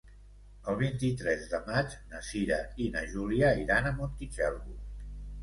El vint-i-tres de maig na Cira i na Júlia iran a Montitxelvo.